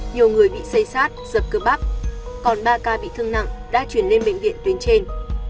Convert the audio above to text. nhiều người bị xây xát dập cơ bắp còn ba ca bị thương nặng đã chuyển lên bệnh viện tuyến trên